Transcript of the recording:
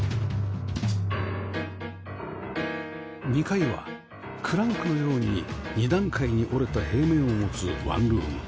２階はクランクのように２段階に折れた平面を持つワンルーム